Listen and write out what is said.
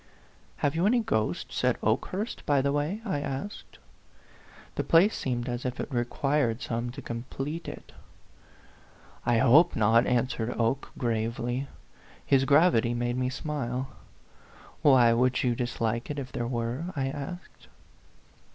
" Have you any ghosts at Okehurst, by the way ?" I asked. The place seemed as if it required some to complete it. 43 A PHANTOM LOVER. " I hope not," answered Oke, gravely. His gravity made me smile. "Why, would you dislike it if there were?" I asked.